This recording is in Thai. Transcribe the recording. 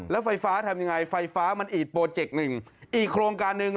แล้วไฟฟ้าทำยังไงไฟฟ้ามันอีดโปรเจกต์หนึ่งอีกโครงการหนึ่ง